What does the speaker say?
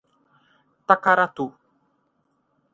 Tacaratu